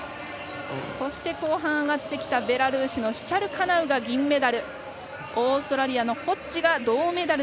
そして、後半上がってきたベラルーシのシチャルカナウが銀メダル。